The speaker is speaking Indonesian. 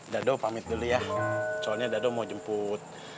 dado pamit dulu ya soalnya dado mau jemput